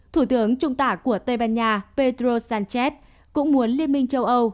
thủ tướng trung tả của tây ban nha pedro sánchez cũng muốn liên minh châu âu